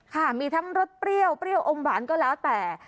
ค่ะมีทั้งรสเปรี้ยวอมหวานก็แล้วแต่